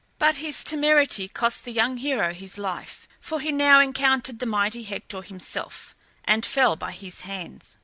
But his temerity cost the young hero his life, for he now encountered the mighty Hector himself, and fell by his hands.